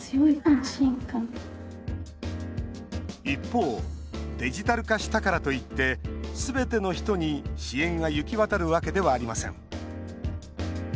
一方デジタル化したからといってすべての人に支援が行き渡るわけではありません。